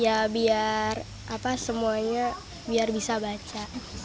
ya biar apa semuanya biar bisa baca